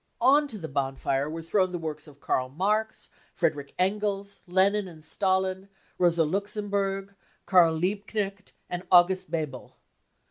On to the bonfire were thrown the works of Karl Marx, Friedrich Engels, Lenin and Stalin, Rosa Luxemburg, Karl Liebknecht and August Bebel.